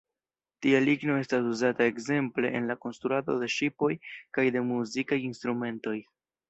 Tia ligno estas uzata ekzemple en la konstruado de ŝipoj kaj de muzikaj instrumentoj.